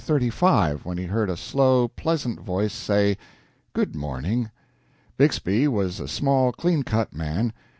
35 when he heard a slow, pleasant voice say, "Good morning." Bixby was a small, clean cut man.